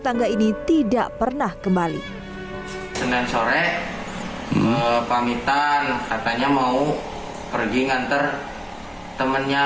tangga ini tidak pernah kembali senin sore pamitan katanya mau pergi nganter temennya